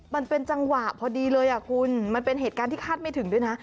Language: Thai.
มันเป็นจังหวะพอดีเลยคุณมันเป็นเหตุการณ์ที่คาดไม่ถึงด้วยนะ